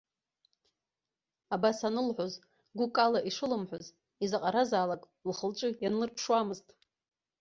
Абас анылҳәоз, гәыкала ишылымҳәоз, изаҟаразаалак лхы-лҿы ианлырԥшуамызт.